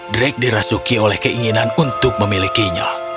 dreg dirasuki oleh keinginan untuk memilikinya